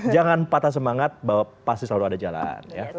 jangan patah semangat bahwa pasti selalu ada jalan